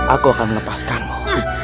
aku akan melepaskanmu